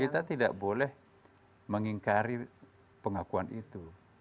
kita tidak boleh mengingkari pengakuan itu